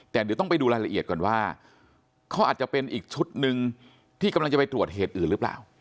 แต่เดี๋ยวต้องไปดูรายละเอียดก่อนว่าเขาอาจจะเป็นอีกชุดหนึ่งที่กำลังจะไปตรวจเหตุอื่นหรือเปล่า